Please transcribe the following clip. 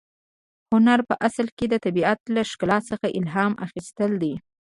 هنر په اصل کې د طبیعت له ښکلا څخه الهام اخیستل دي.